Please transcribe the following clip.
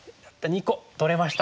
２個取れました。